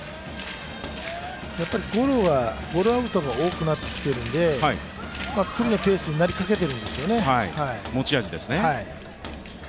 ゴロアウトが多くなってきているので九里のペースになりかけているんですよね。